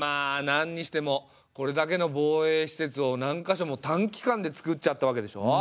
なんにしてもこれだけの防衛施設を何か所も短期間でつくっちゃったわけでしょ？